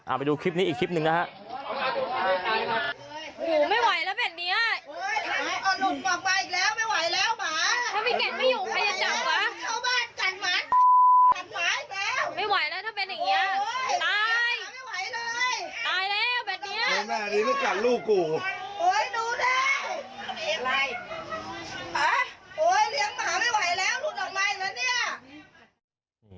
เอาไปดูคลิปนี้อีกคลิปหนึ่งนะฮะ